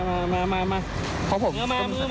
เอามาให้ใหม่ก็ได้